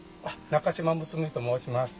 中島睦巳と申します。